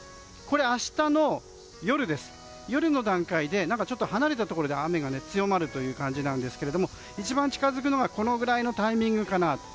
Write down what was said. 明日の夜の段階で離れたところで雨が強まる感じなんですが一番近づくのが、このくらいのタイミングかなと。